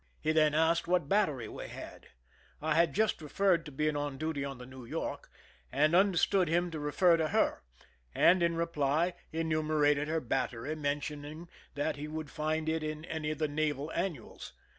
He then asked what battery we had. I had just referred to being on duty on the New York^ and understood him to refer to her, and in reply enume rated her battery, mentioning that he would find it in any of the naval annuals.